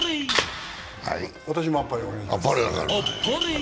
私もあっぱれお願いします。